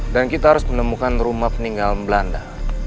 dan kita harus menemukan rumah peninggalan belanda